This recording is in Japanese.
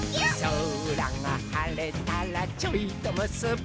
「そらがはれたらちょいとむすび」